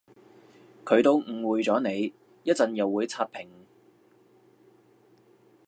佢都誤會咗你，一陣又會刷屏